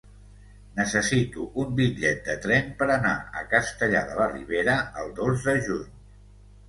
Necessito un bitllet de tren per anar a Castellar de la Ribera el dos de juny.